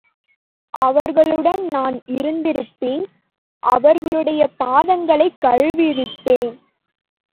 அவர்களுடன் நான் இருந்திருப்பின், அவர்களுடைய பாதங்களைக் கழுவியிருப்பேன்.